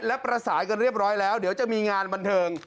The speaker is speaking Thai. และประสานกันเรียบร้อยแล้วเดี๋ยวจะมีงานบันเทิง